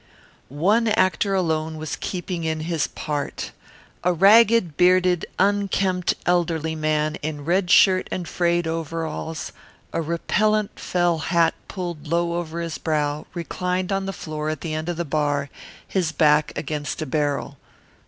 One actor alone was keeping in his part. A ragged, bearded, unkempt elderly man in red shirt and frayed overalls, a repellent felt hat pulled low over his brow, reclined on the floor at the end of the bar, his back against a barrel.